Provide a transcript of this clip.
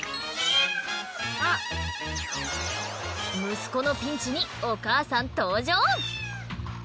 息子のピンチにお母さん登場！